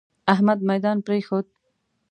احمد ميدان پرېښود.